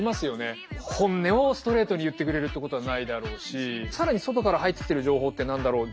本音をストレートに言ってくれるってことはないだろうし更に外から入ってきてる情報って何だろう